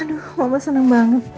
aduh mama seneng banget